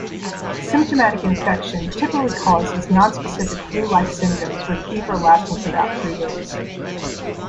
Symptomatic infection typically causes non-specific flu-like symptoms with fever lasting for about three days.